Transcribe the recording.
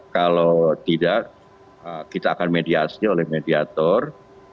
kalau tidak kita akan mediasi oleh mediator